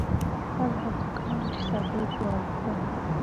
تل هڅه کوم، چي صادق واوسم.